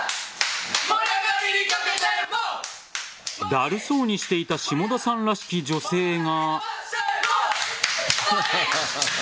だるそうにしていた下田さんらしき女性が。